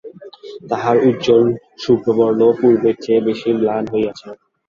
তাহার উজ্জ্বল শুভ্র বর্ণও পূর্বের চেয়ে কিছু ম্লান হইয়াছে।